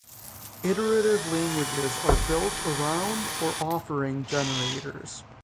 Iterative languages are built around or offering generators.